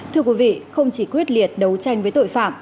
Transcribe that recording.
thưa quý vị không chỉ quyết liệt đấu tranh với tội phạm